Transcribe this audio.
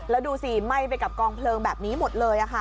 แล้วดูสิไหม้ไปกับกองเพลิงแบบนี้หมดเลย